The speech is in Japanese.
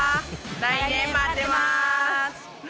来年待ってます。